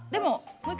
もう一回。